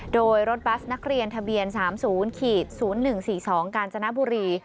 โดยรถบัสนักเรียนทะเบียน๓๐๐๑๔๒กาญจนบุรี